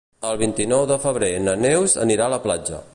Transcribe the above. El vint-i-nou de febrer na Neus anirà a la platja.